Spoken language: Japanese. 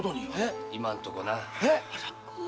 今んとこな。